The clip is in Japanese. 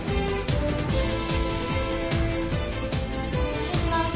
失礼します。